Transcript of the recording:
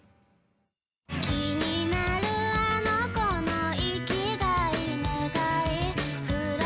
「気になるあの娘の生きがい願い」